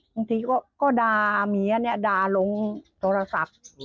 บางทีก็ดาเมียดาลงโทรศัพท์